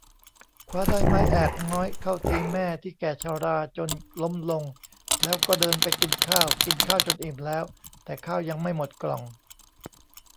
คว้าได้ไม้แอกน้อยเข้าตีแม่ที่แก่ชราจนล้มลงแล้วก็เดินไปกินข้าว กินข้าวจนอิ่มแล้วแต่ข้าวยังไม่หมดกล่อง